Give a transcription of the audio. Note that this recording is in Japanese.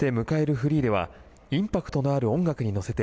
フリーではインパクトのある音楽に乗せて